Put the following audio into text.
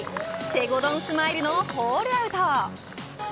せごどんスマイルのホールアウト。